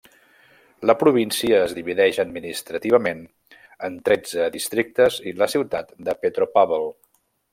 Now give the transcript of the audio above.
La província es divideix administrativament en tretze districtes i la ciutat de Petropavl.